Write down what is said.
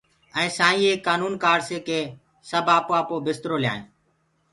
ائينٚ سائينٚ ايڪ ڪآنونٚ ڪآڙَسي ڪي سب آپو آپو بِسترو ليآئينٚ